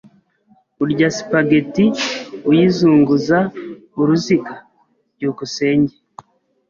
Urya spaghetti uyizunguza uruziga? byukusenge